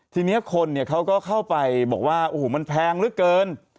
ทีนี้คนเขาก็เข้าไปบอกว่าโอ้โหมันแพงเหลือเกิน